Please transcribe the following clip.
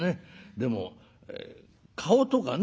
でも顔とかね